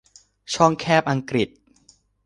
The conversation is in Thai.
ช่องแคบอังกฤษ